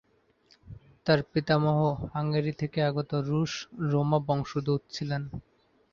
তার পিতামহ হাঙ্গেরি থেকে আগত রুশ রোমা বংশোদ্ভূত ছিলেন।